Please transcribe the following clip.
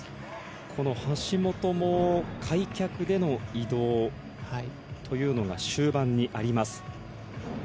この橋本も開脚での移動というのが終盤にあります。